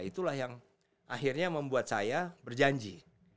itulah yang akhirnya membuat saya berjanji